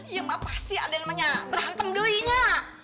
ya apa sih aden berantem dulu